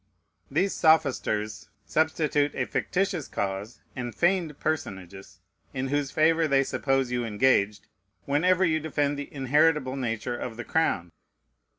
These sophisters substitute a fictitious cause, and feigned personages, in whose favor they suppose you engaged, whenever you defend the inheritable nature of the crown.